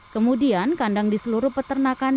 kemudian kandang di seluruh peternakan